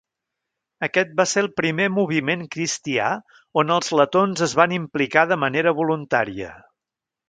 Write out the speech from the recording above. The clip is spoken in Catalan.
Aquest va ser el primer moviment cristià on els letons es van implicar de manera voluntària.